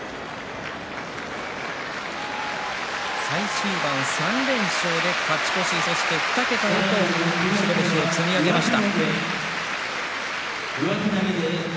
最終盤３連勝で勝ち越し２桁に白星を積み上げました。